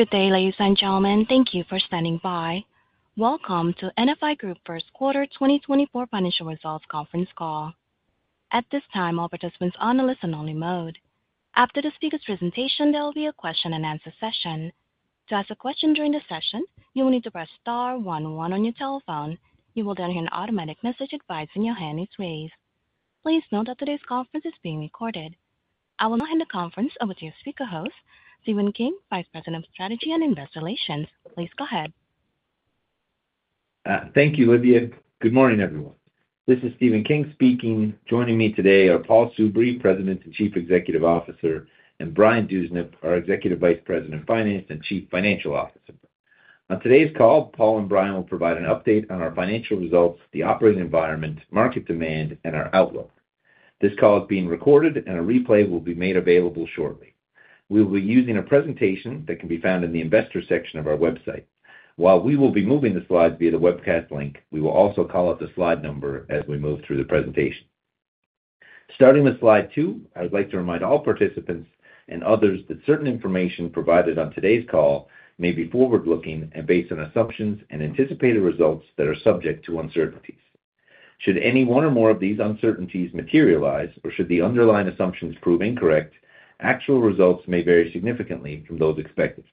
Good day, ladies and gentlemen. Thank you for standing by. Welcome to NFI Group First Quarter 2024 Financial Results Conference Call. At this time, all participants are on a listen-only mode. After the speaker's presentation, there will be a question-and-answer session. To ask a question during the session, you will need to press star 11 on your telephone. You will then hear an automatic message advising your hand is raised. Please note that today's conference is being recorded. I will now hand the conference over to your speaker host Stephen King, Vice President of Strategy and Investor Relations. Please go ahead. Thank you, Olivia. Good morning everyone. This is Stephen King speaking. Joining me today are Paul Soubry, President and Chief Executive Officer, and Brian Dewsnup, our Executive Vice President of Finance and Chief Financial Officer. On today's call, Paul and Brian will provide an update on our financial results, the operating environment, market demand, and our outlook. This call is being recorded, and a replay will be made available shortly. We will be using a presentation that can be found in the Investor section of our website. While we will be moving the slides via the webcast link, we will also call out the slide number as we move through the presentation. Starting with slide two, I would like to remind all participants and others that certain information provided on today's call may be forward-looking and based on assumptions and anticipated results that are subject to uncertainties. Should any one or more of these uncertainties materialize, or should the underlying assumptions prove incorrect, actual results may vary significantly from those expected.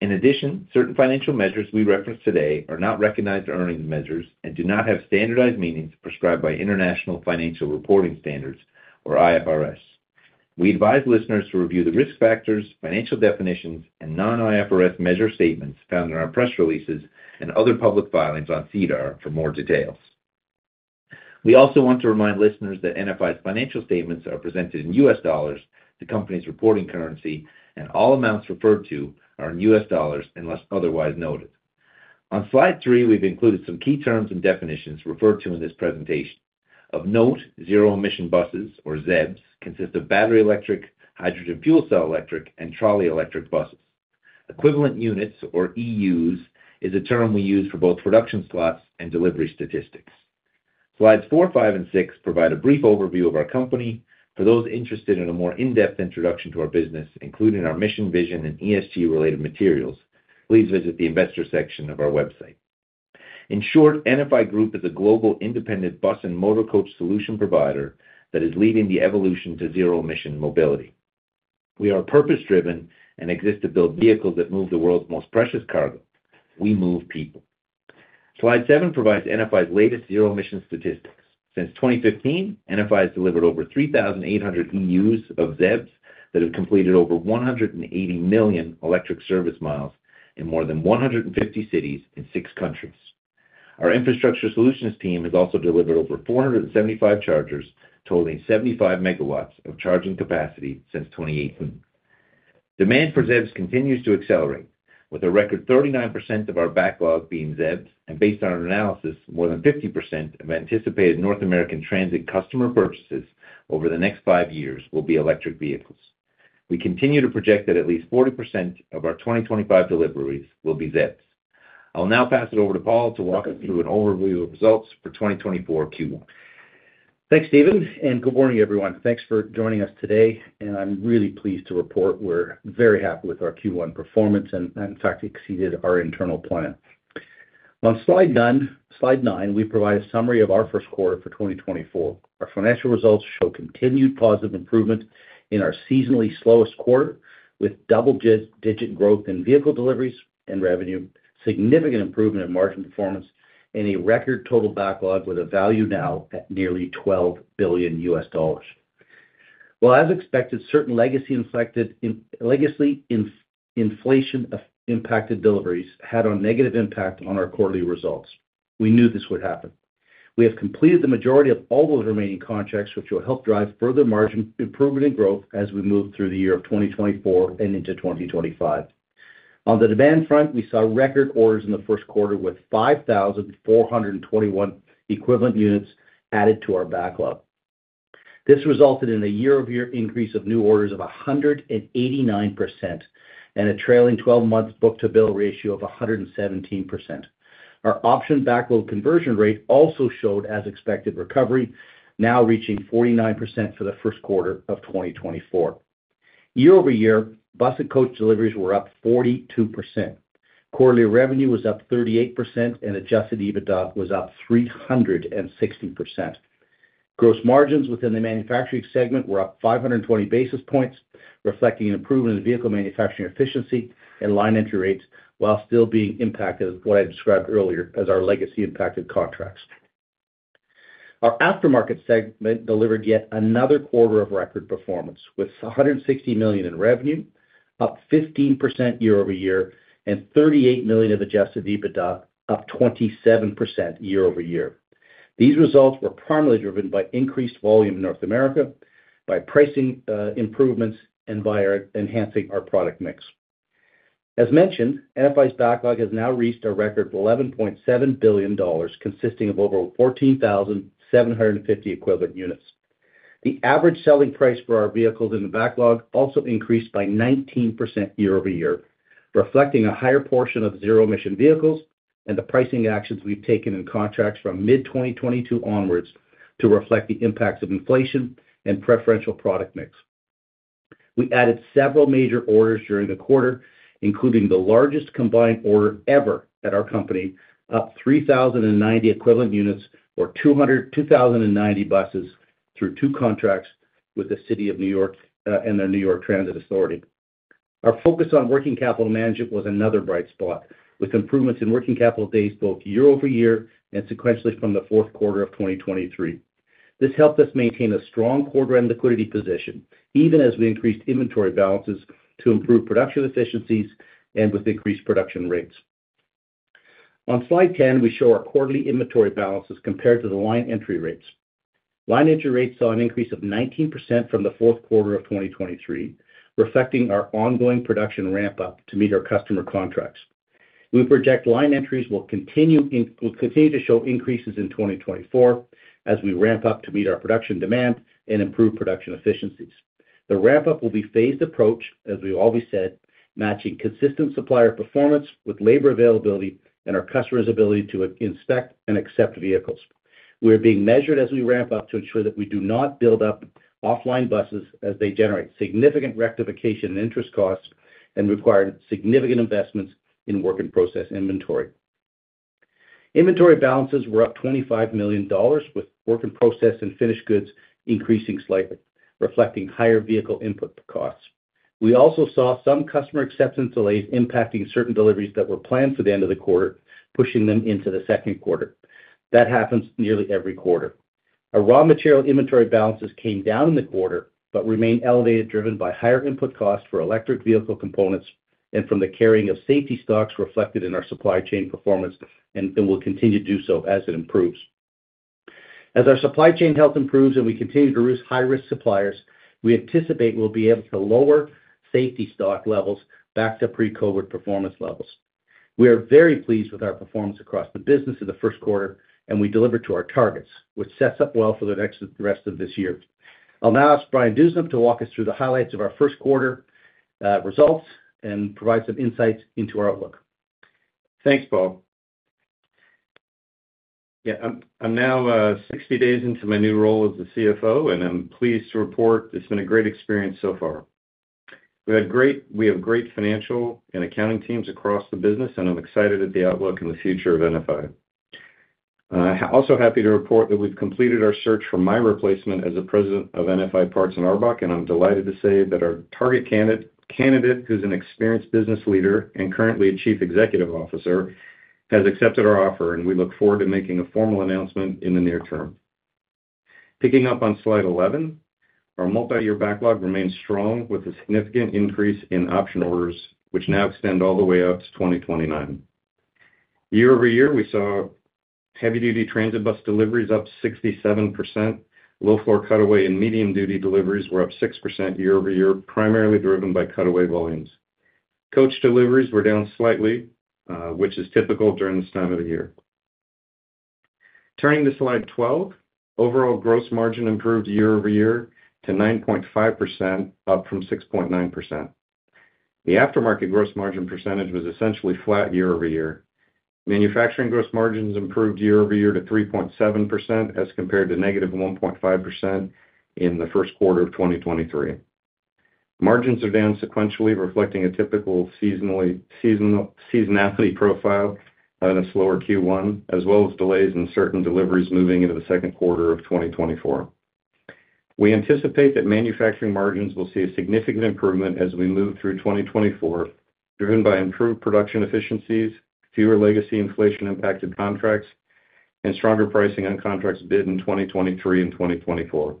In addition, certain financial measures we reference today are not recognized earnings measures and do not have standardized meanings prescribed by International Financial Reporting Standards, or IFRS. We advise listeners to review the risk factors, financial definitions, and non-IFRS measure statements found in our press releases and other public filings on SEDAR for more details. We also want to remind listeners that NFI's financial statements are presented in US dollars, the company's reporting currency, and all amounts referred to are in US dollars unless otherwise noted. On slide three, we've included some key terms and definitions referred to in this presentation. Of note, zero-emission buses, or ZEBs, consist of battery electric, hydrogen fuel cell electric, and trolley electric buses. Equivalent units, or EUs, is a term we use for both production slots and delivery statistics. Slides four, five, and siv provide a brief overview of our company. For those interested in a more in-depth introduction to our business, including our mission, vision, and ESG-related materials, please visit the Investor section of our website. In short, NFI Group is a global, independent bus and motor coach solution provider that is leading the evolution to zero-emission mobility. We are purpose-driven and exist to build vehicles that move the world's most precious cargo. We move people. Slide seven provides NFI's latest zero-emission statistics. Since 2015, NFI has delivered over 3,800 EUs of ZEBs that have completed over 180 million electric service miles in more than 150 cities in six countries. Our infrastructure solutions team has also delivered over 475 chargers, totaling 75 megawatts of charging capacity since 2018. Demand for ZEBs continues to accelerate, with a record 39% of our backlog being ZEBs, and based on our analysis, more than 50% of anticipated North American transit customer purchases over the next five years will be electric vehicles. We continue to project that at least 40% of our 2025 deliveries will be ZEBs. I'll now pass it over to Paul to walk us through an overview of results for 2024 Q1. Thanks, Stephen, and good morning, everyone. Thanks for joining us today, and I'm really pleased to report we're very happy with our Q1 performance and, in fact, exceeded our internal plan. On slide nine, we provide a summary of our first quarter for 2024. Our financial results show continued positive improvement in our seasonally slowest quarter, with double-digit growth in vehicle deliveries and revenue, significant improvement in margin performance, and a record total backlog with a value now at nearly $12 billion. While, as expected, certain legacy inflation-impacted deliveries had a negative impact on our quarterly results, we knew this would happen. We have completed the majority of all those remaining contracts, which will help drive further margin improvement and growth as we move through the year of 2024 and into 2025. On the demand front, we saw record orders in the first quarter, with 5,421 equivalent units added to our backlog. This resulted in a year-over-year increase of new orders of 189% and a trailing 12-month book-to-bill ratio of 117%. Our option backlog conversion rate also showed as expected recovery, now reaching 49% for the first quarter of 2024. Year-over-year, bus and coach deliveries were up 42%. Quarterly revenue was up 38%, and adjusted EBITDA was up 360%. Gross margins within the manufacturing segment were up 520 basis points, reflecting an improvement in vehicle manufacturing efficiency and line entry rates while still being impacted as what I described earlier as our legacy-impacted contracts. Our aftermarket segment delivered yet another quarter of record performance, with $160 million in revenue, up 15% year-over-year, and $38 million of adjusted EBITDA, up 27% year-over-year. These results were primarily driven by increased volume in North America, by pricing improvements, and by enhancing our product mix. As mentioned, NFI's backlog has now reached a record $11.7 billion, consisting of over 14,750 equivalent units. The average selling price for our vehicles in the backlog also increased by 19% year-over-year, reflecting a higher portion of zero-emission vehicles and the pricing actions we've taken in contracts from mid-2022 onwards to reflect the impacts of inflation and preferential product mix. We added several major orders during the quarter, including the largest combined order ever at our company, up 3,090 equivalent units, or 2,090 buses, through two contracts with the City of New York and their New York City Transit Authority. Our focus on working capital management was another bright spot, with improvements in working capital days both year-over-year and sequentially from the fourth quarter of 2023. This helped us maintain a strong quarter-end liquidity position, even as we increased inventory balances to improve production efficiencies and with increased production rates. On slide 10, we show our quarterly inventory balances compared to the line entry rates. Line entry rates saw an increase of 19% from the fourth quarter of 2023, reflecting our ongoing production ramp-up to meet our customer contracts. We project line entries will continue to show increases in 2024 as we ramp up to meet our production demand and improve production efficiencies. The ramp-up will be phased approach, as we've always said, matching consistent supplier performance with labor availability and our customers' ability to inspect and accept vehicles. We are being measured as we ramp up to ensure that we do not build up offline buses as they generate significant rectification and interest costs and require significant investments in work-in-process inventory. Inventory balances were up $25 million, with work in process and finished goods increasing slightly, reflecting higher vehicle input costs. We also saw some customer acceptance delays impacting certain deliveries that were planned for the end of the quarter, pushing them into the second quarter. That happens nearly every quarter. Our raw material inventory balances came down in the quarter but remain elevated, driven by higher input costs for electric vehicle components and from the carrying of safety stocks reflected in our supply chain performance, and will continue to do so as it improves. As our supply chain health improves and we continue to reach high-risk suppliers, we anticipate we'll be able to lower safety stock levels back to pre-COVID performance levels. We are very pleased with our performance across the business in the first quarter, and we delivered to our targets, which sets up well for the rest of this year. I'll now ask Brian Dewsnup to walk us through the highlights of our first quarter results and provide some insights into our outlook. Thanks, Paul. Yeah, I'm now 60 days into my new role as the CFO, and I'm pleased to report it's been a great experience so far. We have great financial and accounting teams across the business, and I'm excited at the outlook and the future of NFI. Also happy to report that we've completed our search for my replacement as the President of NFI Parts and ARBOC, and I'm delighted to say that our target candidate, who's an experienced business leader and currently a Chief Executive Officer, has accepted our offer, and we look forward to making a formal announcement in the near term. Picking up on slide 11, our multi-year backlog remains strong, with a significant increase in option orders, which now extend all the way up to 2029. Year-over-year, we saw heavy-duty transit bus deliveries up 67%. Low-floor cutaway and medium-duty deliveries were up 6% year-over-year, primarily driven by cutaway volumes. Coach deliveries were down slightly, which is typical during this time of the year. Turning to slide 12, overall gross margin improved year-over-year to 9.5%, up from 6.9%. The aftermarket gross margin percentage was essentially flat year-over-year. Manufacturing gross margins improved year-over-year to 3.7% as compared to negative 1.5% in the first quarter of 2023. Margins are down sequentially, reflecting a typical seasonality profile in a slower Q1, as well as delays in certain deliveries moving into the second quarter of 2024. We anticipate that manufacturing margins will see a significant improvement as we move through 2024, driven by improved production efficiencies, fewer legacy inflation-impacted contracts, and stronger pricing on contracts bid in 2023 and 2024.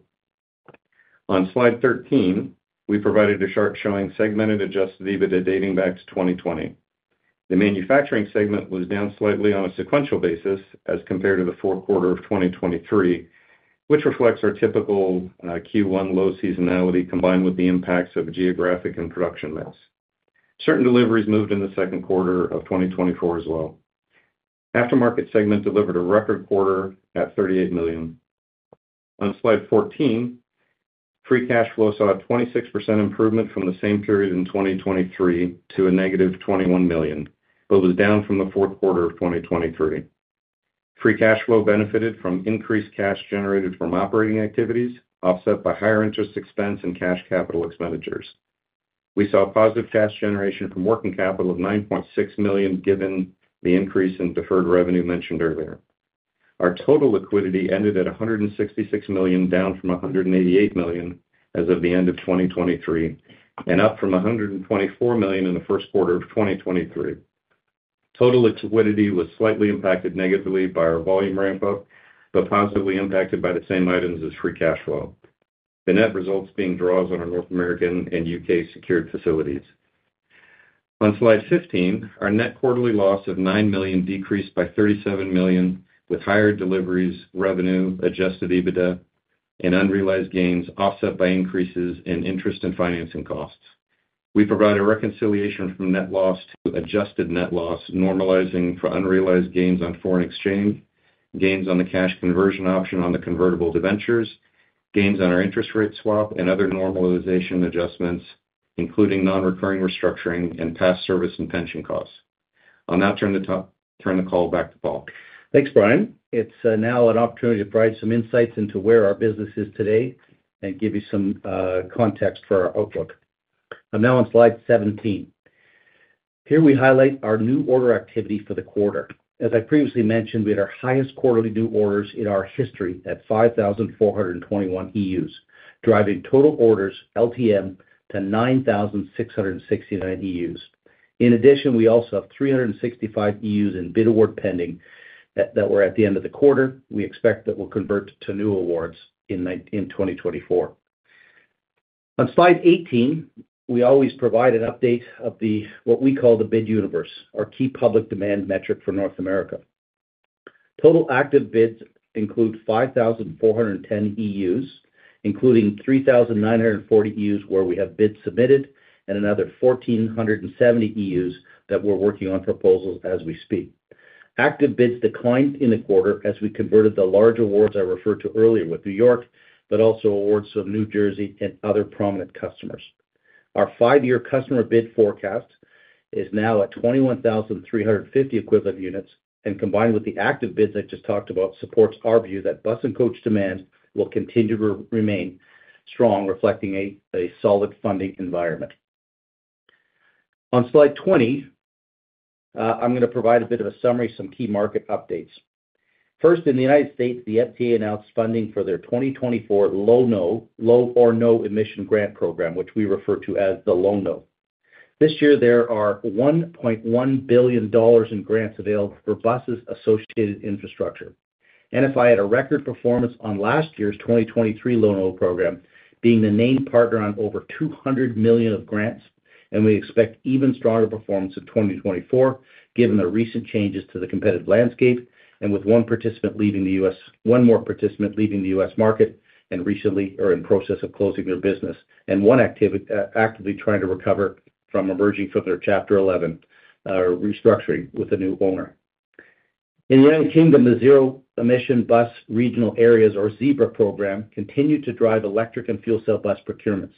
On slide 13, we provided a chart showing segmented Adjusted EBITDA dating back to 2020. The Manufacturing segment was down slightly on a sequential basis as compared to the fourth quarter of 2023, which reflects our typical Q1 low seasonality combined with the impacts of geographic and production mix. Certain deliveries moved in the second quarter of 2024 as well. Aftermarket segment delivered a record quarter at $38 million. On slide 14, free cash flow saw a 26% improvement from the same period in 2023 to -$21 million, but was down from the fourth quarter of 2023. Free cash flow benefited from increased cash generated from operating activities, offset by higher interest expense and cash capital expenditures. We saw positive cash generation from working capital of $9.6 million, given the increase in deferred revenue mentioned earlier. Our total liquidity ended at $166 million, down from $188 million as of the end of 2023, and up from $124 million in the first quarter of 2023. Total liquidity was slightly impacted negatively by our volume ramp-up, but positively impacted by the same items as free cash flow, the net results being draws on our North American and U.K. secured facilities. On slide 15, our net quarterly loss of $9 million decreased by $37 million, with higher deliveries, revenue, Adjusted EBITDA, and unrealized gains offset by increases in interest and financing costs. We provide a reconciliation from net loss to adjusted net loss, normalizing for unrealized gains on foreign exchange, gains on the cash conversion option on the convertible debentures, gains on our interest rate swap, and other normalization adjustments, including non-recurring restructuring and past service and pension costs. I'll now turn the call back to Paul. Thanks, Brian. It's now an opportunity to provide some insights into where our business is today and give you some context for our outlook. I'm now on slide 17. Here, we highlight our new order activity for the quarter. As I previously mentioned, we had our highest quarterly new orders in our history at 5,421 EUs, driving total orders, LTM, to 9,669 EUs. In addition, we also have 365 EUs in bid award pending that were at the end of the quarter. We expect that will convert to new awards in 2024. On slide 18, we always provide an update of what we call the bid universe, our key public demand metric for North America. Total active bids include 5,410 EUs, including 3,940 EUs where we have bids submitted and another 1,470 EUs that we're working on proposals as we speak. Active bids declined in the quarter as we converted the large awards I referred to earlier with New York, but also awards from New Jersey and other prominent customers. Our five-year customer bid forecast is now at 21,350 equivalent units, and combined with the active bids I just talked about, supports our view that bus and coach demand will continue to remain strong, reflecting a solid funding environment. On slide 20, I'm going to provide a bit of a summary, some key market updates. First, in the United States, the FTA announced funding for their 2024 Low or No Emission Grant Program, which we refer to as the Low-No. This year, there are $1.1 billion in grants available for buses associated infrastructure. NFI had a record performance on last year's 2023 Low-No Program, being the main partner on over $200 million of grants, and we expect even stronger performance in 2024, given the recent changes to the competitive landscape and with one participant leaving the U.S. one more participant leaving the U.S. market and recently or in process of closing their business and one actively trying to recover from emerging from their Chapter 11 restructuring with a new owner. In the United Kingdom, the Zero Emission Bus Regional Areas, or ZEBRA Programme continued to drive electric and fuel cell bus procurements.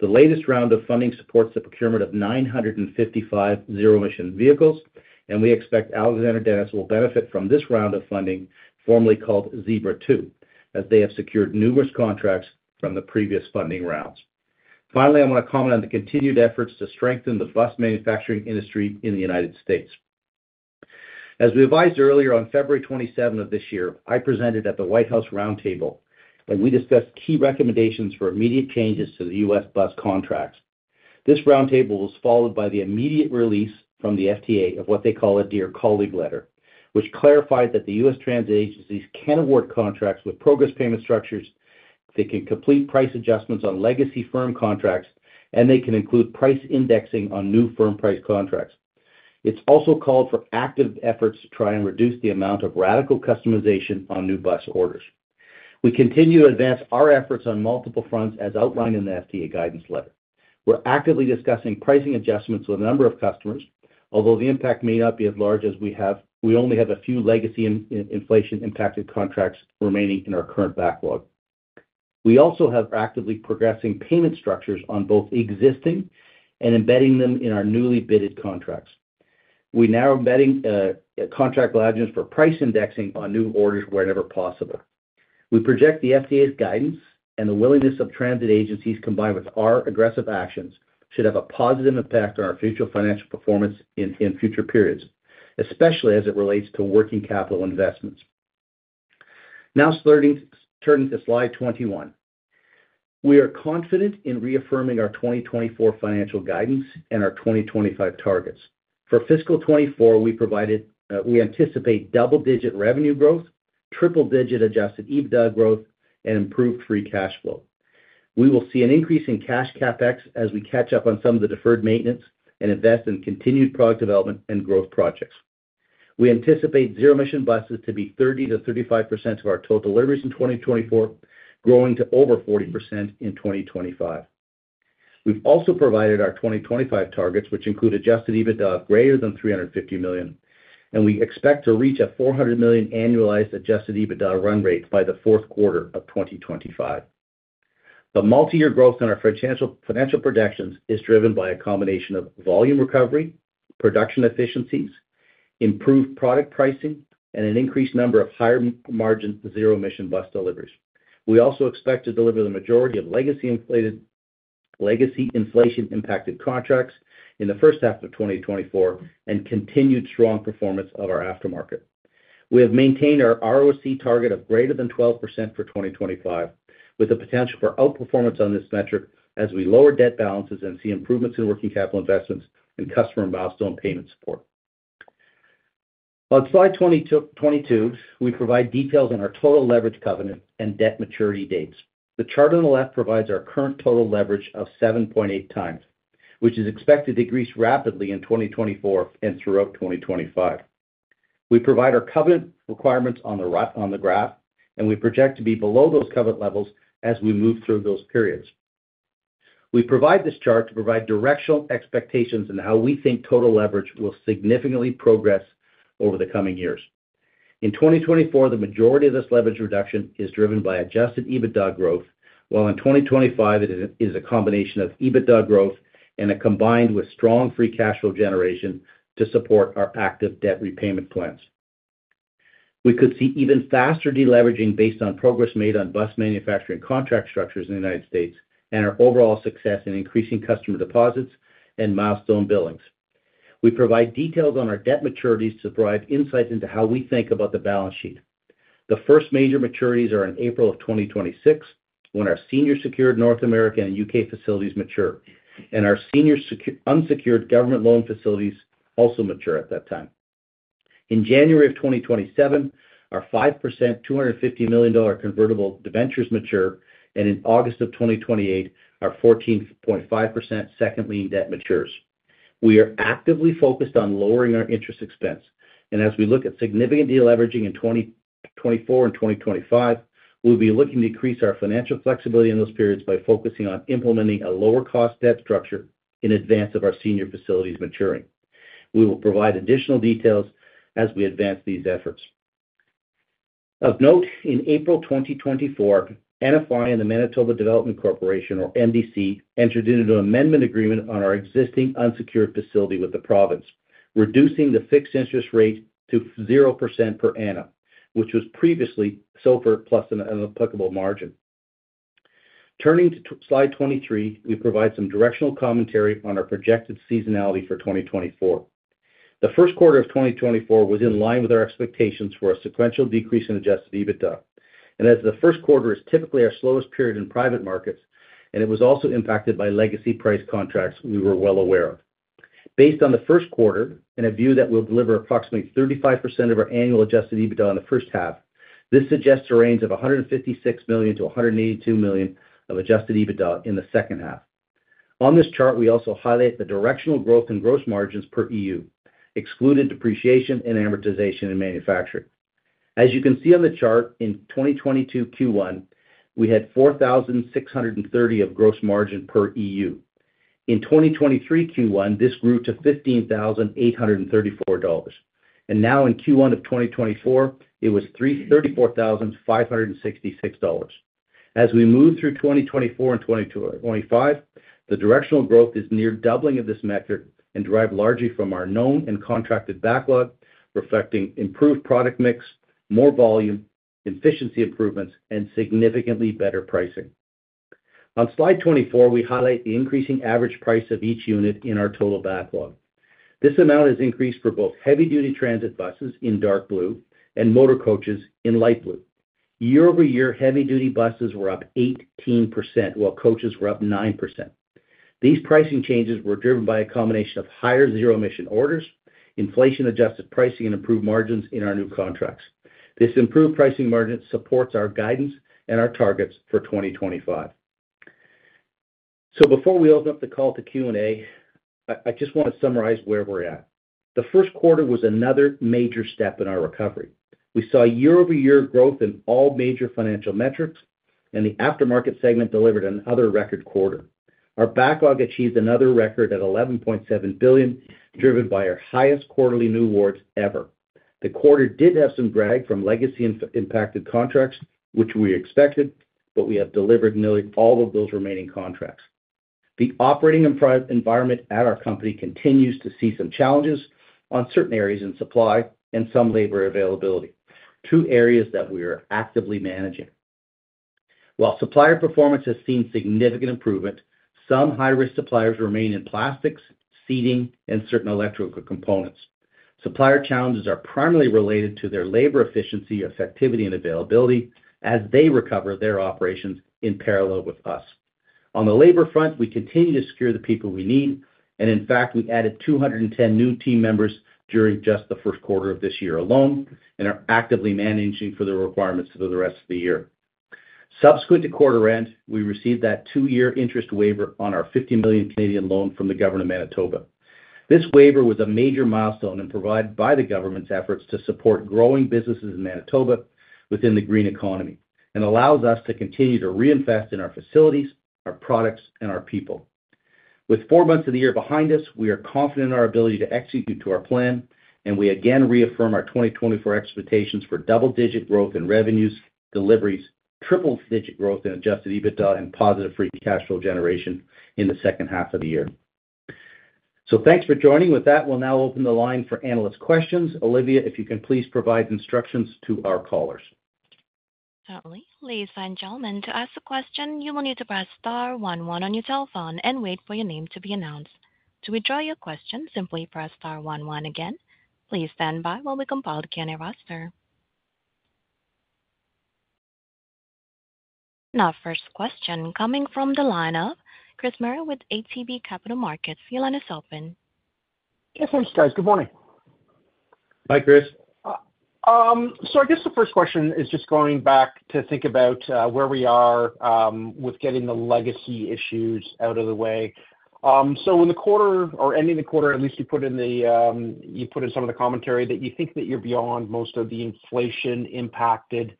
The latest round of funding supports the procurement of 955 zero-emission vehicles, and we expect Alexander Dennis will benefit from this round of funding, formerly called ZEBRA2, as they have secured numerous contracts from the previous funding rounds. Finally, I want to comment on the continued efforts to strengthen the bus manufacturing industry in the United States. As we advised earlier on February 27 of this year, I presented at the White House Roundtable, and we discussed key recommendations for immediate changes to the U.S. bus contracts. This roundtable was followed by the immediate release from the FTA of what they call a Dear Colleague Letter, which clarified that the U.S. Transit Agencies can award contracts with progress payment structures, they can complete price adjustments on legacy firm contracts, and they can include price indexing on new firm price contracts. It's also called for active efforts to try and reduce the amount of radical customization on new bus orders. We continue to advance our efforts on multiple fronts as outlined in the FTA Guidance Letter. We're actively discussing pricing adjustments with a number of customers, although the impact may not be as large as we only have a few legacy inflation-impacted contracts remaining in our current backlog. We also have actively progressing payment structures on both existing and embedding them in our newly bid contracts. We're now embedding contract lodgings for price indexing on new orders whenever possible. We project the FTA's guidance and the willingness of transit agencies, combined with our aggressive actions, should have a positive impact on our future financial performance in future periods, especially as it relates to working capital investments. Now turning to Slide 21. We are confident in reaffirming our 2024 financial guidance and our 2025 targets. For fiscal 2024, we anticipate double-digit revenue growth, triple-digit Adjusted EBITDA growth, and improved Free Cash Flow. We will see an increase in cash CapEx as we catch up on some of the deferred maintenance and invest in continued product development and growth projects. We anticipate zero-emission buses to be 30%-35% of our total deliveries in 2024, growing to over 40% in 2025. We've also provided our 2025 targets, which include Adjusted EBITDA of greater than $350 million, and we expect to reach a $400 million annualized Adjusted EBITDA run rate by the fourth quarter of 2025. The multi-year growth in our financial projections is driven by a combination of volume recovery, production efficiencies, improved product pricing, and an increased number of higher-margin zero-emission bus deliveries. We also expect to deliver the majority of legacy inflation-impacted contracts in the first half of 2024 and continued strong performance of our aftermarket. We have maintained our ROC target of greater than 12% for 2025, with the potential for outperformance on this metric as we lower debt balances and see improvements in working capital investments and customer milestone payment support. On slide 22, we provide details on our total leverage covenant and debt maturity dates. The chart on the left provides our current total leverage of 7.8x, which is expected to decrease rapidly in 2024 and throughout 2025. We provide our covenant requirements on the graph, and we project to be below those covenant levels as we move through those periods. We provide this chart to provide directional expectations in how we think total leverage will significantly progress over the coming years. In 2024, the majority of this leverage reduction is driven by Adjusted EBITDA growth, while in 2025, it is a combination of EBITDA growth and a combined with strong free cash flow generation to support our active debt repayment plans. We could see even faster deleveraging based on progress made on bus manufacturing contract structures in the United States and our overall success in increasing customer deposits and milestone billings. We provide details on our debt maturities to provide insights into how we think about the balance sheet. The first major maturities are in April of 2026, when our senior secured North American and U.K. facilities mature, and our unsecured government loan facilities also mature at that time. In January of 2027, our 5% $250 million convertible deventures mature, and in August of 2028, our 14.5% second lien debt matures. We are actively focused on lowering our interest expense, and as we look at significant deleveraging in 2024 and 2025, we'll be looking to increase our financial flexibility in those periods by focusing on implementing a lower-cost debt structure in advance of our senior facilities maturing. We will provide additional details as we advance these efforts. Of note, in April 2024, NFI and the Manitoba Development Corporation, or MDC, entered into an amendment agreement on our existing unsecured facility with the province, reducing the fixed interest rate to 0% per annum, which was previously SOFR plus an applicable margin. Turning to slide 23, we provide some directional commentary on our projected seasonality for 2024. The first quarter of 2024 was in line with our expectations for a sequential decrease in adjusted EBITDA, and as the first quarter is typically our slowest period in private markets, and it was also impacted by legacy price contracts we were well aware of. Based on the first quarter and a view that will deliver approximately 35% of our annual adjusted EBITDA in the first half, this suggests a range of $156 million-$182 million of adjusted EBITDA in the second half. On this chart, we also highlight the directional growth in gross margins per EU, excluded depreciation and amortization in manufacturing. As you can see on the chart, in 2022 Q1, we had $4,630 of gross margin per EU. In 2023 Q1, this grew to $15,834, and now in Q1 of 2024, it was $34,566. As we move through 2024 and 2025, the directional growth is near doubling of this metric and derived largely from our known and contracted backlog, reflecting improved product mix, more volume, efficiency improvements, and significantly better pricing. On slide 24, we highlight the increasing average price of each unit in our total backlog. This amount has increased for both heavy-duty transit buses in dark blue and motor coaches in light blue. Year-over-year, heavy-duty buses were up 18%, while coaches were up 9%. These pricing changes were driven by a combination of higher zero-emission orders, inflation-adjusted pricing, and improved margins in our new contracts. This improved pricing margin supports our guidance and our targets for 2025. So before we open up the call to Q&A, I just want to summarize where we're at. The first quarter was another major step in our recovery. We saw year-over-year growth in all major financial metrics, and the aftermarket segment delivered another record quarter. Our backlog achieved another record at $11.7 billion, driven by our highest quarterly new awards ever. The quarter did have some drag from legacy impacted contracts, which we expected, but we have delivered nearly all of those remaining contracts. The operating environment at our company continues to see some challenges on certain areas in supply and some labor availability, two areas that we are actively managing. While supplier performance has seen significant improvement, some high-risk suppliers remain in plastics, seating, and certain electrical components. Supplier challenges are primarily related to their labor efficiency, effectivity, and availability as they recover their operations in parallel with us. On the labor front, we continue to secure the people we need, and in fact, we added 210 new team members during just the first quarter of this year alone and are actively managing for the requirements for the rest of the year. Subsequent to quarter end, we received that two-year interest waiver on our 50 million Canadian dollars loan from the Government of Manitoba. This waiver was a major milestone provided by the government's efforts to support growing businesses in Manitoba within the green economy and allows us to continue to reinvest in our facilities, our products, and our people. With four months of the year behind us, we are confident in our ability to execute to our plan, and we again reaffirm our 2024 expectations for double-digit growth in revenues deliveries, triple-digit growth in Adjusted EBITDA, and positive free cash flow generation in the second half of the year. Thanks for joining. With that, we'll now open the line for analyst questions. Olivia, if you can please provide instructions to our callers. Certainly. Ladies and gentlemen, to ask a question, you will need to press star 11 on your telephone and wait for your name to be announced. To withdraw your question, simply press star 11 again. Please stand by while we compile the Q&A roster. Now, first question coming from the line of Chris Murray with ATB Capital Markets. Your line is open. Yes, thanks, guys. Good morning. Hi, Chris. So I guess the first question is just going back to think about where we are with getting the legacy issues out of the way. So in the quarter or ending the quarter, at least you put in some of the commentary that you think that you're beyond most of the inflation-impacted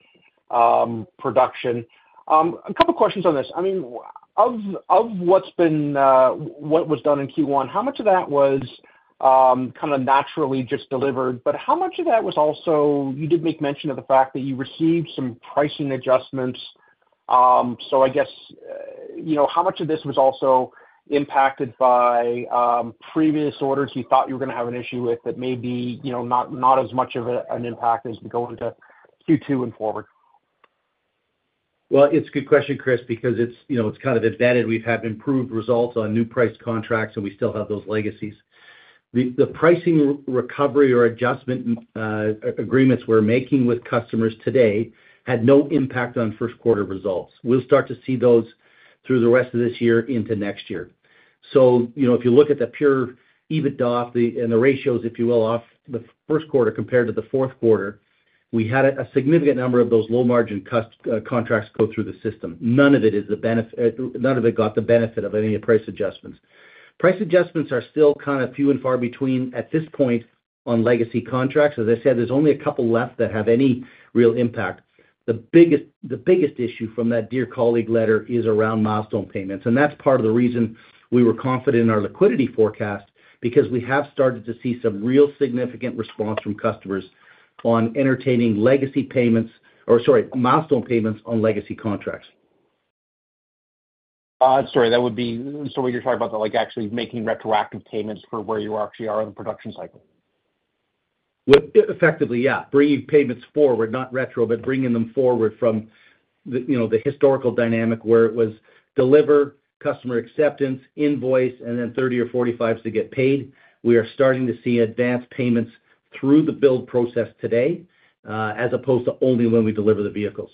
production. A couple of questions on this. I mean, of what was done in Q1, how much of that was kind of naturally just delivered, but how much of that was also you did make mention of the fact that you received some pricing adjustments. So I guess how much of this was also impacted by previous orders you thought you were going to have an issue with that may be not as much of an impact as going to Q2 and forward? Well, it's a good question, Chris, because it's kind of embedded. We've had improved results on new priced contracts, and we still have those legacies. The pricing recovery or adjustment agreements we're making with customers today had no impact on first-quarter results. We'll start to see those through the rest of this year into next year. So if you look at the pure EBITDA off the and the ratios, if you will, off the first quarter compared to the fourth quarter, we had a significant number of those low-margin contracts go through the system. None of it is the benefit none of it got the benefit of any of the price adjustments. Price adjustments are still kind of few and far between at this point on legacy contracts. As I said, there's only a couple left that have any real impact. The biggest issue from that Dear Colleague Letter is around milestone payments, and that's part of the reason we were confident in our liquidity forecast because we have started to see some real significant response from customers on entertaining legacy payments or sorry, milestone payments on legacy contracts. Sorry, that would be, so when you're talking about actually making retroactive payments for where you actually are in the production cycle? Effectively, yeah, bringing payments forward, not retro, but bringing them forward from the historical dynamic where it was deliver, customer acceptance, invoice, and then 30 or 45s to get paid. We are starting to see advanced payments through the build process today as opposed to only when we deliver the vehicles.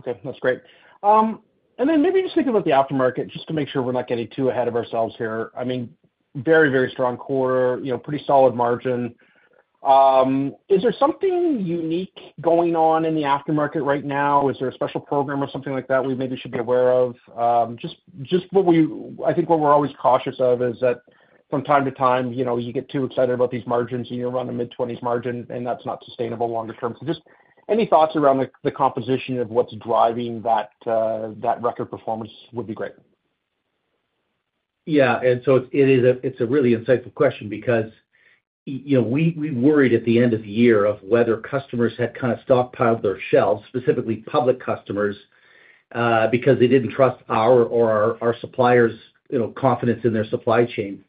Okay, that's great. And then maybe just thinking about the Aftermarket, just to make sure we're not getting too ahead of ourselves here, I mean, very, very strong quarter, pretty solid margin. Is there something unique going on in the Aftermarket right now? Is there a special program or something like that we maybe should be aware of? Just, I think, what we're always cautious of is that from time to time, you get too excited about these margins, and you're running a mid-20s margin, and that's not sustainable longer term. So just any thoughts around the composition of what's driving that record performance would be great. Yeah, and so it's a really insightful question because we worried at the end of the year of whether customers had kind of stockpiled their shelves, specifically public customers, because they didn't trust our or our suppliers' confidence in their supply chain.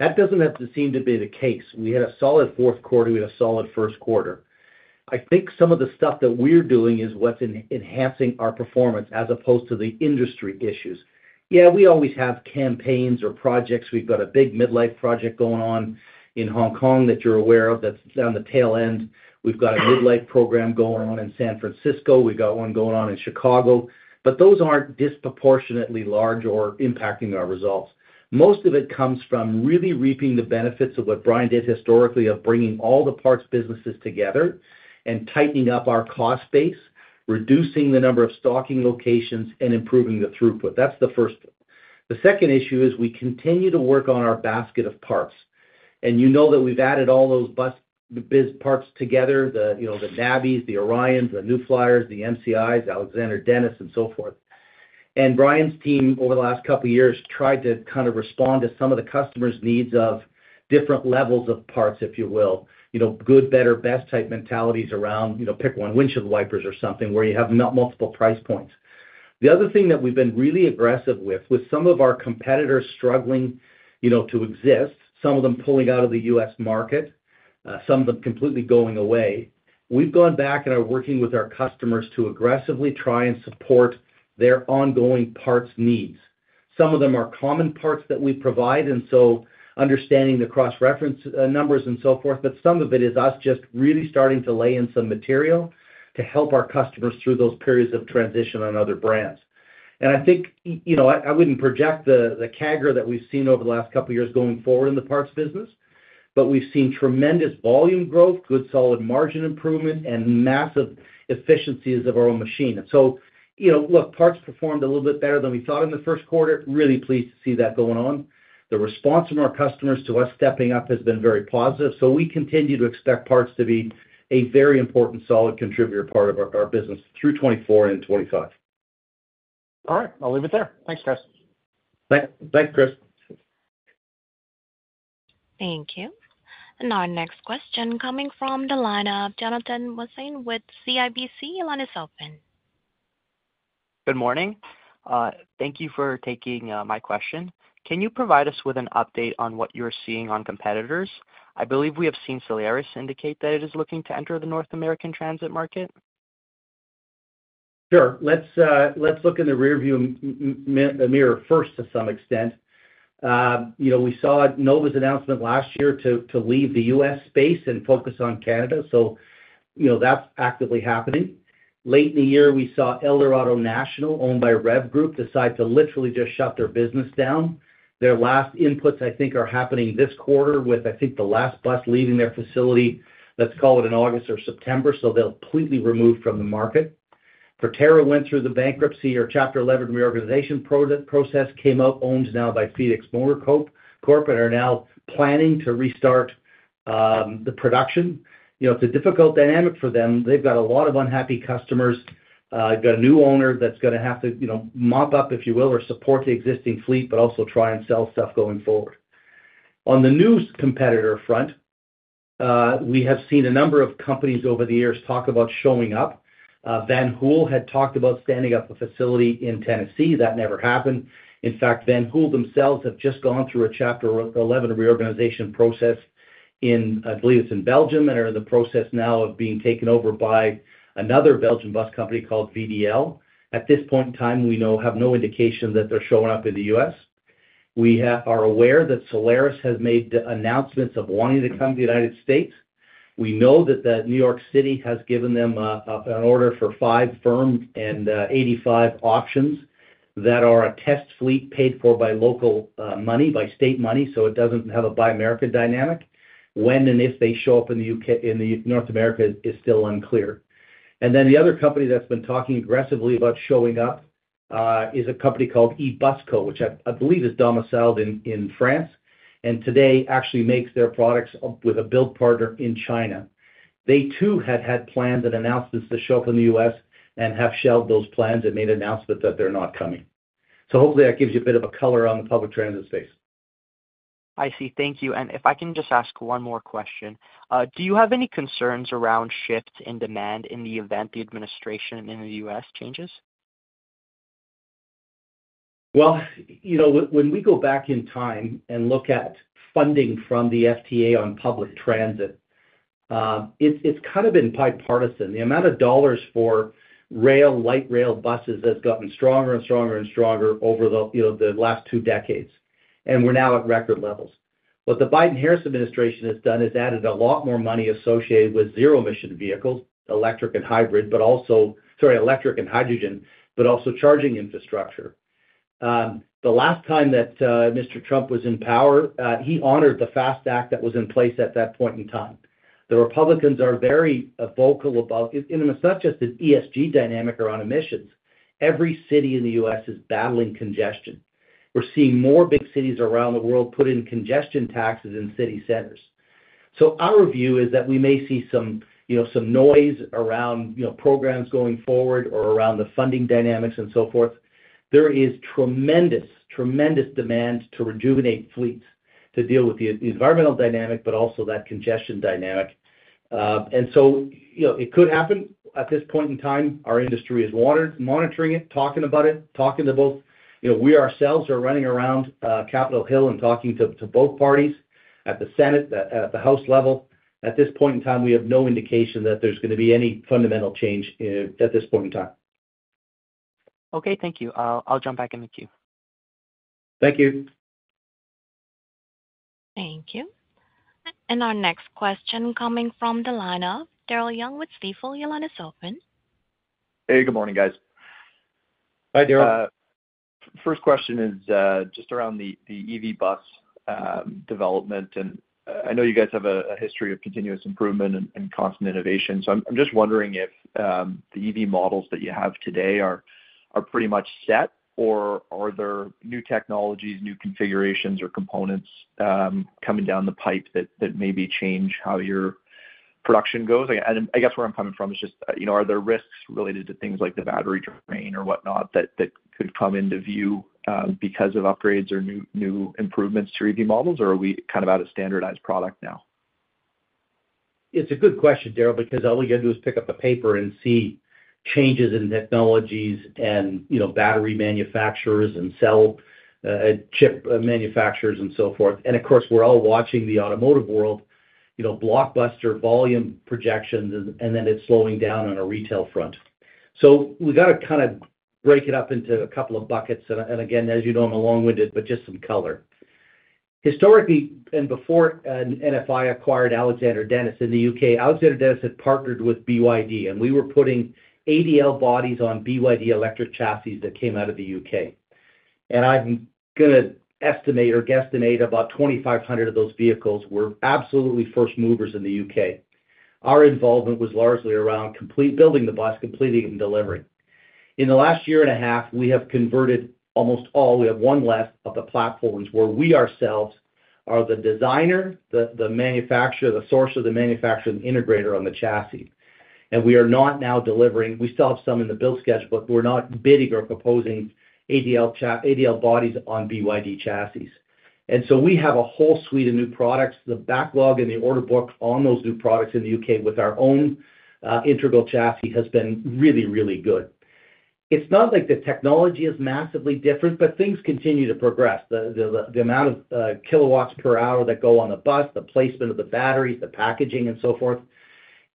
That doesn't have to seem to be the case. We had a solid fourth quarter. We had a solid first quarter. I think some of the stuff that we're doing is what's enhancing our performance as opposed to the industry issues. Yeah, we always have campaigns or projects. We've got a big midlife project going on in Hong Kong that you're aware of that's down the tail end. We've got a midlife program going on in San Francisco. We've got one going on in Chicago, but those aren't disproportionately large or impacting our results. Most of it comes from really reaping the benefits of what Brian did historically of bringing all the Parts businesses together and tightening up our cost base, reducing the number of stocking locations, and improving the throughput. That's the first. The second issue is we continue to work on our basket of parts. And you know that we've added all those parts together, the NABIs, the Orions, the New Flyers, the MCIs, Alexander Dennis, and so forth. And Brian's team over the last couple of years tried to kind of respond to some of the customers' needs of different levels of parts, if you will, good, better, best type mentalities around pick one windshield wipers or something where you have multiple price points. The other thing that we've been really aggressive with, with some of our competitors struggling to exist, some of them pulling out of the U.S. market, some of them completely going away, we've gone back and are working with our customers to aggressively try and support their ongoing parts needs. Some of them are common parts that we provide, and so understanding the cross-reference numbers and so forth, but some of it is us just really starting to lay in some material to help our customers through those periods of transition on other brands. And I think I wouldn't project the kicker that we've seen over the last couple of years going forward in the Parts business, but we've seen tremendous volume growth, good solid margin improvement, and massive efficiencies of our own machine. And so look, Parts performed a little bit better than we thought in the first quarter. Really pleased to see that going on. The response from our customers to us stepping up has been very positive. We continue to expect parts to be a very important solid contributor part of our business through 2024 and 2025. All right, I'll leave it there. Thanks, guys. Thanks, Chris. Thank you. Now, next question coming from the line of Jonathan Hass with CIBC. Your line is open. Good morning. Thank you for taking my question. Can you provide us with an update on what you're seeing on competitors? I believe we have seen Solaris indicate that it is looking to enter the North American transit market. Sure. Let's look in the rearview mirror first to some extent. We saw Nova's announcement last year to leave the U.S. space and focus on Canada, so that's actively happening. Late in the year, we saw ElDorado National, owned by REV Group, decide to literally just shut their business down. Their last inputs, I think, are happening this quarter with, I think, the last bus leaving their facility. Let's call it in August or September, so they'll completely remove from the market. Proterra went through the bankruptcy. Our Chapter 11 reorganization process came out, owns now by Phoenix Motor, and are now planning to restart the production. It's a difficult dynamic for them. They've got a lot of unhappy customers. They've got a new owner that's going to have to mop up, if you will, or support the existing fleet, but also try and sell stuff going forward. On the new competitor front, we have seen a number of companies over the years talk about showing up. Van Hool had talked about standing up a facility in Tennessee. That never happened. In fact, Van Hool themselves have just gone through a Chapter 11 reorganization process in, I believe it's in Belgium, and are in the process now of being taken over by another Belgian bus company called VDL. At this point in time, we have no indication that they're showing up in the U.S. We are aware that Solaris has made announcements of wanting to come to the United States. We know that New York City has given them an order for five firm and 85 options that are a test fleet paid for by local money, by state money, so it doesn't have a Buy America dynamic. When and if they show up in North America is still unclear. And then the other company that's been talking aggressively about showing up is a company called Ebusco, which I believe is domiciled in France and today actually makes their products with a build partner in China. They too had had plans and announcements to show up in the U.S. and have shelved those plans and made announcements that they're not coming. So hopefully, that gives you a bit of a color on the public transit space. I see. Thank you. If I can just ask one more question, do you have any concerns around shifts in demand in the event the administration in the U.S. changes? Well, when we go back in time and look at funding from the FTA on public transit, it's kind of been bipartisan. The amount of dollars for rail, light rail buses has gotten stronger and stronger and stronger over the last two decades, and we're now at record levels. What the Biden-Harris administration has done is added a lot more money associated with zero-emission vehicles, electric and hybrid, but also sorry, electric and hydrogen, but also charging infrastructure. The last time that Mr. Trump was in power, he honored the FAST Act that was in place at that point in time. The Republicans are very vocal about it's not just an ESG dynamic around emissions. Every city in the U.S. is battling congestion. We're seeing more big cities around the world put in congestion taxes in city centers. So our view is that we may see some noise around programs going forward or around the funding dynamics and so forth. There is tremendous, tremendous demand to rejuvenate fleets, to deal with the environmental dynamic, but also that congestion dynamic. And so it could happen. At this point in time, our industry is monitoring it, talking about it, talking to both. We ourselves are running around Capitol Hill and talking to both parties at the Senate, at the House level. At this point in time, we have no indication that there's going to be any fundamental change at this point in time. Okay, thank you. I'll jump back in with you. Thank you. Thank you. Our next question coming from the line of Daryl Young with Stifel. Your line is open. Hey, good morning, guys. Hi, Daryl. First question is just around the EV bus development. And I know you guys have a history of continuous improvement and constant innovation. So I'm just wondering if the EV models that you have today are pretty much set, or are there new technologies, new configurations, or components coming down the pipe that maybe change how your production goes? And I guess where I'm coming from is just are there risks related to things like the battery drain or whatnot that could come into view because of upgrades or new improvements to EV models, or are we kind of at a standardized product now? It's a good question, Daryl, because all we got to do is pick up a paper and see changes in technologies and battery manufacturers and cell chip manufacturers and so forth. And of course, we're all watching the automotive world, blockbuster volume projections, and then it's slowing down on a retail front. So we got to kind of break it up into a couple of buckets. And again, as you know, I'm a long-winded, but just some color. Historically, and before NFI acquired Alexander Dennis in the U.K., Alexander Dennis had partnered with BYD, and we were putting ADL bodies on BYD electric chassis that came out of the UK. And I'm going to estimate or guesstimate about 2,500 of those vehicles were absolutely first movers in the U.K. Our involvement was largely around building the bus, completing it, and delivering. In the last year and a half, we have converted almost all. We have one left of the platforms where we ourselves are the designer, the manufacturer, the source of the manufacturer, and the integrator on the chassis. And we are not now delivering. We still have some in the build schedule, but we're not bidding or proposing ADL bodies on BYD chassis. And so we have a whole suite of new products. The backlog and the order book on those new products in the U.K. with our own integral chassis has been really, really good. It's not like the technology is massively different, but things continue to progress. The amount of kilowatts per hour that go on the bus, the placement of the batteries, the packaging, and so forth,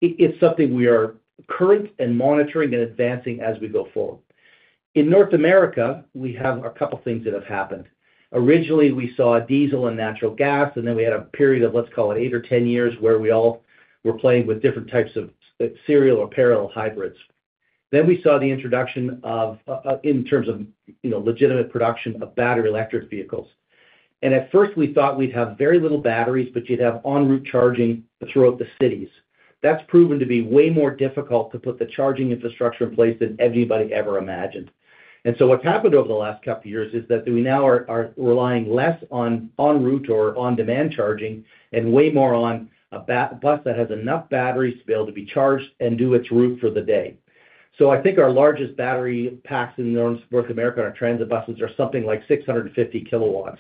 it's something we are current and monitoring and advancing as we go forward. In North America, we have a couple of things that have happened. Originally, we saw diesel and natural gas, and then we had a period of, let's call it, eight or 10 years where we all were playing with different types of serial or parallel hybrids. Then we saw the introduction of, in terms of legitimate production, of battery electric vehicles. And at first, we thought we'd have very little batteries, but you'd have en route charging throughout the cities. That's proven to be way more difficult to put the charging infrastructure in place than anybody ever imagined. And so what's happened over the last couple of years is that we now are relying less on en route or on-demand charging and way more on a bus that has enough batteries to be able to be charged and do its route for the day. So I think our largest battery packs in North America on our transit buses are something like 650 kW,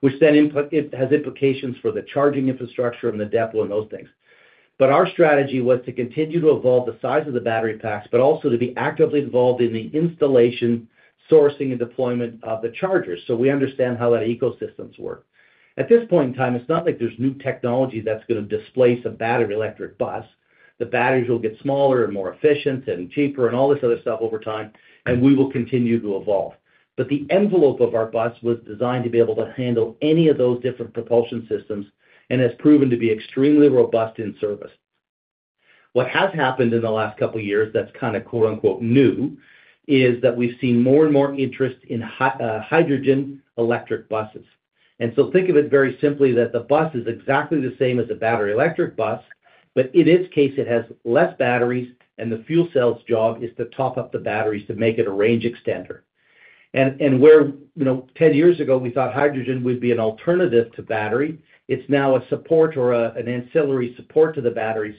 which then has implications for the charging infrastructure and the depth and those things. But our strategy was to continue to evolve the size of the battery packs, but also to be actively involved in the installation, sourcing, and deployment of the chargers. So we understand how that ecosystem works. At this point in time, it's not like there's new technology that's going to displace a battery electric bus. The batteries will get smaller and more efficient and cheaper and all this other stuff over time, and we will continue to evolve. But the envelope of our bus was designed to be able to handle any of those different propulsion systems and has proven to be extremely robust in service. What has happened in the last couple of years that's kind of "new" is that we've seen more and more interest in hydrogen electric buses. And so think of it very simply that the bus is exactly the same as a battery electric bus, but in its case, it has less batteries, and the fuel cell's job is to top up the batteries to make it a range extender. And where 10 years ago, we thought hydrogen would be an alternative to battery, it's now a support or an ancillary support to the batteries.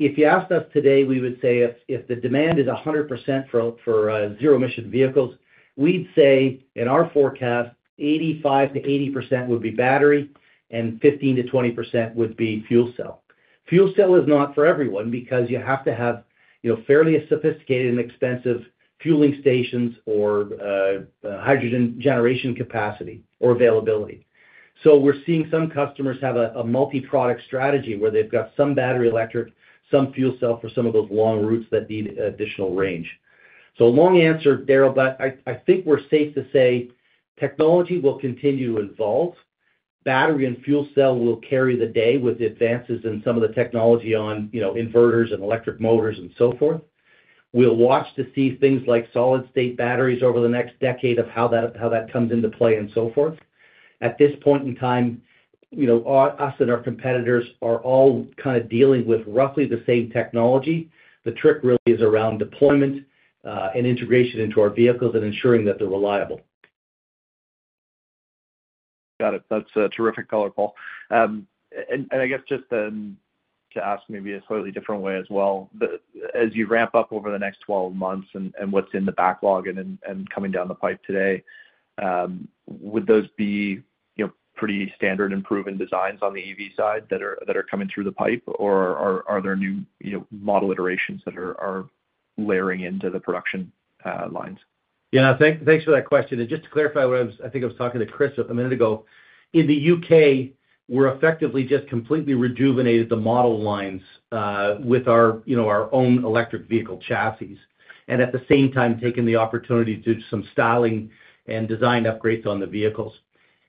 If you asked us today, we would say if the demand is 100% for zero-emission vehicles, we'd say in our forecast, 85%-80% would be battery and 15%-20% would be fuel cell. Fuel cell is not for everyone because you have to have fairly sophisticated and expensive fueling stations or hydrogen generation capacity or availability. So we're seeing some customers have a multi-product strategy where they've got some battery electric, some fuel cell for some of those long routes that need additional range. So long answer, Daryl, but I think we're safe to say technology will continue to evolve. Battery and fuel cell will carry the day with advances in some of the technology on inverters and electric motors and so forth. We'll watch to see things like solid-state batteries over the next decade of how that comes into play and so forth. At this point in time, us and our competitors are all kind of dealing with roughly the same technology. The trick really is around deployment and integration into our vehicles and ensuring that they're reliable. Got it. That's terrific color, Paul. I guess just to ask maybe a slightly different way as well, as you ramp up over the next 12 months and what's in the backlog and coming down the pipe today, would those be pretty standard and proven designs on the EV side that are coming through the pipe, or are there new model iterations that are layering into the production lines? Yeah, thanks for that question. Just to clarify what I think I was talking to Chris a minute ago. In the U.K., we're effectively just completely rejuvenated the model lines with our own electric vehicle chassis and at the same time taken the opportunity to do some styling and design upgrades on the vehicles.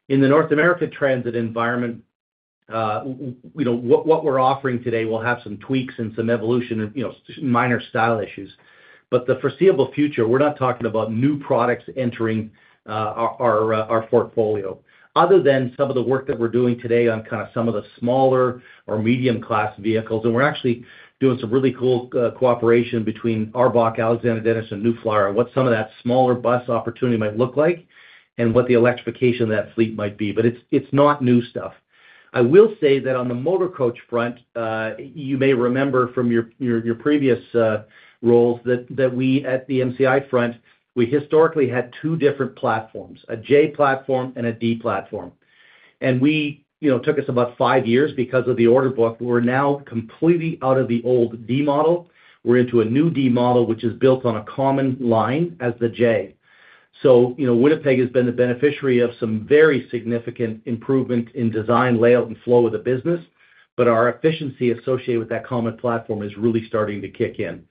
In the North America transit environment, what we're offering today will have some tweaks and some evolution and minor style issues. But the foreseeable future, we're not talking about new products entering our portfolio other than some of the work that we're doing today on kind of some of the smaller or medium-class vehicles. And we're actually doing some really cool cooperation between ARBOC, Alexander Dennis, and New Flyer on what some of that smaller bus opportunity might look like and what the electrification of that fleet might be. But it's not new stuff. I will say that on the motor coach front, you may remember from your previous roles that at the MCI front, we historically had two different platforms, a J Platform and a D Platform. And we took us about five years because of the order book. We're now completely out of the old D model. We're into a new D model, which is built on a common line as the J. So Winnipeg has been the beneficiary of some very significant improvement in design, layout, and flow of the business, but our efficiency associated with that common platform is really starting to kick in.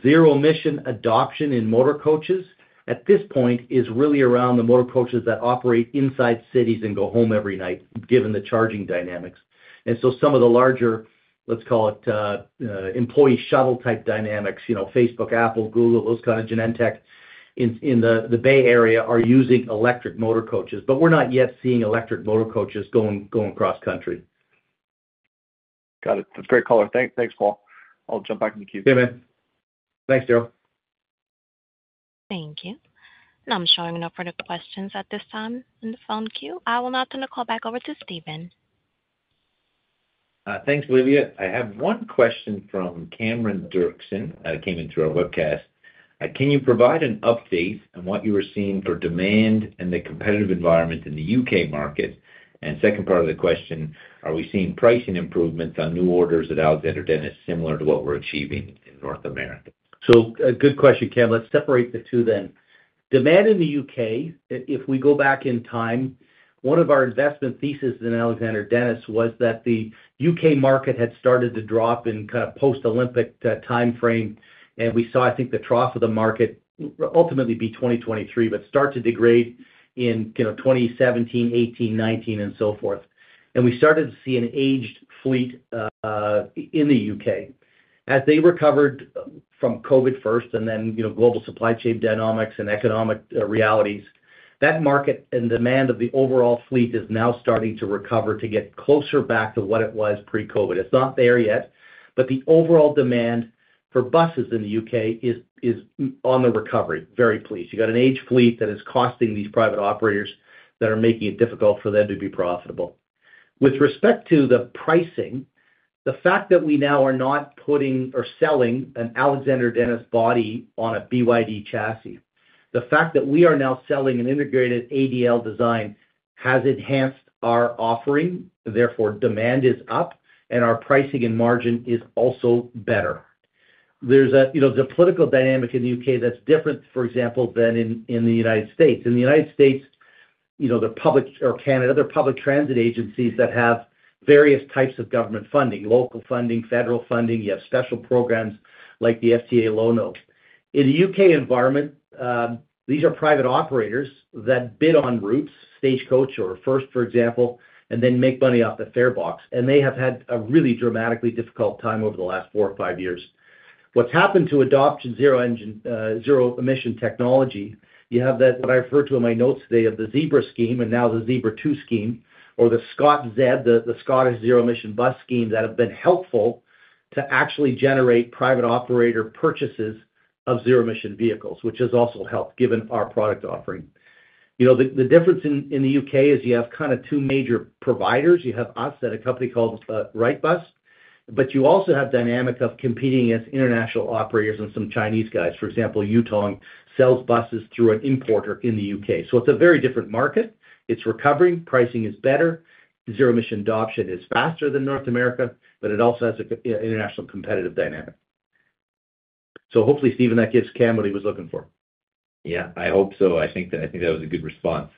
Zero-emission adoption in motor coaches, at this point, is really around the motor coaches that operate inside cities and go home every night, given the charging dynamics. And so some of the larger, let's call it, employee shuttle-type dynamics, Facebook, Apple, Google, those kind of Genentech in the Bay Area are using electric motor coaches, but we're not yet seeing electric motor coaches going cross-country. Got it. That's great color. Thanks, Paul. I'll jump back in the queue. Yeah, man. Thanks, Daryl. Thank you. I'm showing no further questions at this time in the phone queue. I will now turn the call back over to Stephen. Thanks, Olivia. I have one question from Cameron Doerksen that came in through our webcast. Can you provide an update on what you were seeing for demand and the competitive environment in the UK market? And second part of the question, are we seeing pricing improvements on new orders at Alexander Dennis similar to what we're achieving in North America? So good question, Cam. Let's separate the two then. Demand in the U.K., if we go back in time, one of our investment theses in Alexander Dennis was that the U.K. market had started to drop in kind of post-Olympic timeframe. And we saw, I think, the trough of the market ultimately be 2023, but start to degrade in 2017, 2018, 2019, and so forth. And we started to see an aged fleet in the U.K. As they recovered from COVID first and then global supply chain dynamics and economic realities, that market and demand of the overall fleet is now starting to recover to get closer back to what it was pre-COVID. It's not there yet, but the overall demand for buses in the U.K. is on the recovery, very pleased. You got an aged fleet that is costing these private operators that are making it difficult for them to be profitable. With respect to the pricing, the fact that we now are not putting or selling an Alexander Dennis body on a BYD chassis, the fact that we are now selling an integrated ADL design has enhanced our offering. Therefore, demand is up, and our pricing and margin is also better. There's a political dynamic in the UK that's different, for example, than in the United States. In the United States, there are public or Canada, there are public transit agencies that have various types of government funding, local funding, federal funding. You have special programs like the FTA Low-No. In the UK environment, these are private operators that bid on routes, Stagecoach or First, for example, and then make money off the fare box. They have had a really dramatically difficult time over the last four or five years. What's happened to adopt zero-emission technology, you have what I refer to in my notes today of the ZEBRA scheme and now the ZEBRA2 scheme or the ScotZEB, the Scottish Zero-Emission Bus scheme that have been helpful to actually generate private operator purchases of zero-emission vehicles, which has also helped, given our product offering. The difference in the UK is you have kind of two major providers. You have us at a company called Wrightbus, but you also have dynamic of competing as international operators and some Chinese guys. For example, Yutong sells buses through an importer in the UK. So it's a very different market. It's recovering. Pricing is better. Zero-emission adoption is faster than North America, but it also has an international competitive dynamic. Hopefully, Stephen, that gives Cam what he was looking for. Yeah, I hope so. I think that was a good response.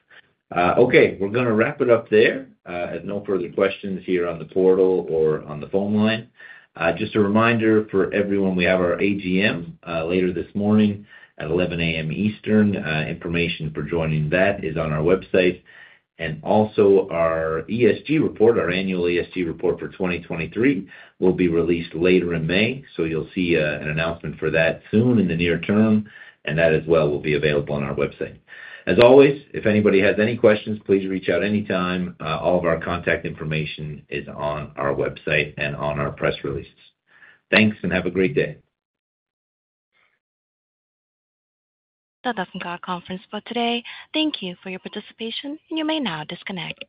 Okay, we're going to wrap it up there. No further questions here on the portal or on the phone line. Just a reminder for everyone, we have our AGM later this morning at 11:00 A.M. Eastern. Information for joining that is on our website. And also our ESG report, our annual ESG report for 2023, will be released later in May. So you'll see an announcement for that soon in the near term, and that as well will be available on our website. As always, if anybody has any questions, please reach out anytime. All of our contact information is on our website and on our press releases. Thanks and have a great day. That concludes the conference for today. Thank you for your participation, and you may now disconnect.